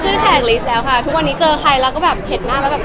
แขกลิสต์แล้วค่ะทุกวันนี้เจอใครแล้วก็แบบเห็นหน้าแล้วแบบ